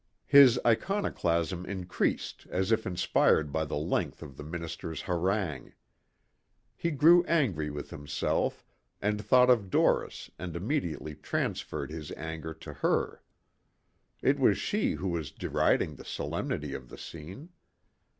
His iconoclasm increased as if inspired by the length of the minister's harangue. He grew angry with himself and thought of Doris and immediately transferred his anger to her. It was she who was deriding the solemnity of the scene.